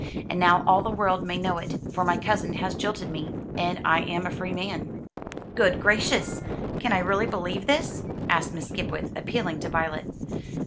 And now all the world may know it, for my cousin has jilted me, and I am a free man." "Good gracious! Can I really believe this?" asked Miss Skipwith, appealing to Violet.